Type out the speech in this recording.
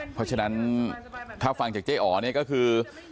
เพราะฉะนั้นถ้าฟังจากเจ๊อ๋อเนี่ยก็คือ